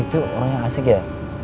itu orang yang asik ya